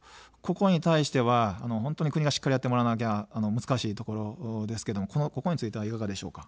ここに対しては国がしっかりやってもらわなきゃ難しいところですけど、ここはいかがですか。